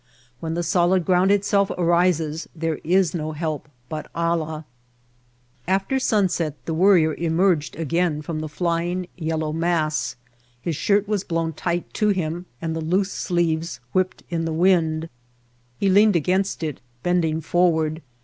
When the solid ground itself arises there is no help but Allah. After sunset the Worrier emerged again from the flying yellow mass. His shirt was blown Snowstorm and Sandstorm tight to him and the loose sleeves whipped in the wind. He leaned against it bending forward.